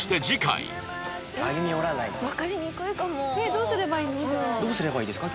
どうすればいいですか？